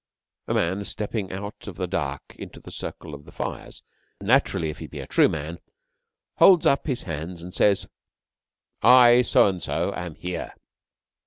A man stepping out of the dark into the circle of the fires naturally, if he be a true man, holds up his hands and says, 'I, So and So, am here.'